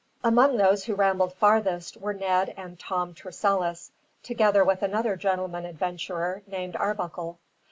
Among those who rambled farthest were Ned and Tom Tressilis, together with another gentleman adventurer, named Arbuckle.